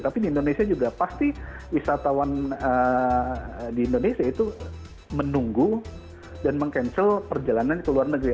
tapi di indonesia juga pasti wisatawan di indonesia itu menunggu dan meng cancel perjalanan ke luar negeri